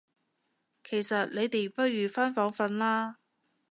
其實你哋不如返房訓啦